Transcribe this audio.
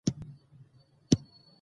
څه چی وای هغه حقیقت دی.